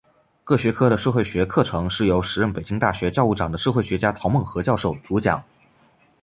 各学科的社会学课程是由时任北京大学教务长的社会学家陶孟和教授主讲。